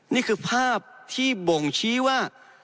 นี่คือภาพที่บ่งชี้ว่า